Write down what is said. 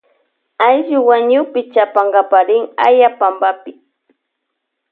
Ayllu wañukpi chapanka rin aya panpapi.